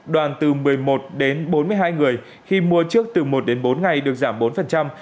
đoàn từ một mươi một đến bốn mươi hai người khi mua trước từ một đến bốn ngày được giảm bốn